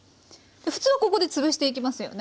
ふつうはここで潰していきますよね。